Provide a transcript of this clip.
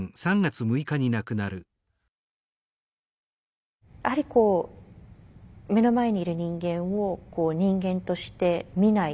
やはりこう目の前にいる人間を人間として見ない。